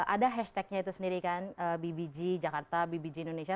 ada hashtagnya itu sendiri kan bbg jakarta bbg indonesia